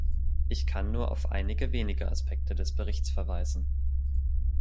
Ich kann nur auf einige wenige Aspekte des Berichts verweisen.